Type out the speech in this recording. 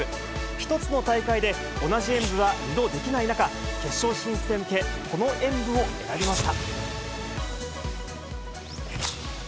１つの大会で同じ演武は２度できない中、決勝進出へ向け、この演武を選びました。